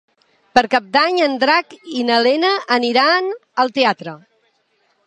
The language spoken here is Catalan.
Per Cap d'Any en Drac i na Lena aniran al teatre.